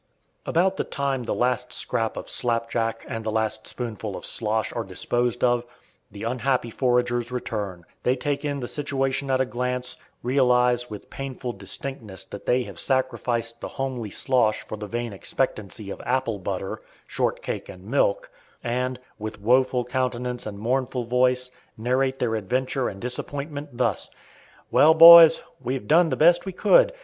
About the time the last scrap of "slapjack" and the last spoonful of "slosh" are disposed of, the unhappy foragers return. They take in the situation at a glance, realize with painful distinctness that they have sacrificed the homely slosh for the vain expectancy of apple butter, shortcake, and milk, and, with woeful countenance and mournful voice, narrate their adventure and disappointment thus: "Well, boys, we have done the best we could.